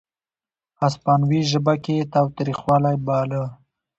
هسپانوي ژبه کې یې تاوتریخوالی باله.